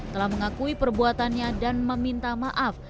telah mengakui perbuatannya dan meminta maaf